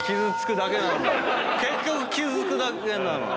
結局傷つくだけなのよ。